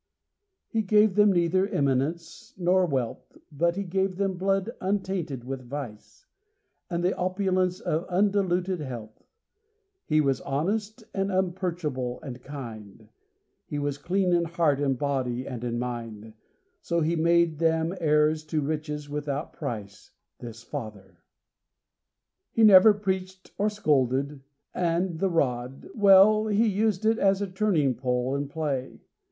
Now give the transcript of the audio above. He gave them neither eminence nor wealth, But he gave them blood untainted with a vice, And the opulence of undiluted health. He was honest, and unpurchable and kind; He was clean in heart, and body, and in mind. So he made them heirs to riches without price— This father. He never preached or scolded; and the rod— Well, he used it as a turning pole in play.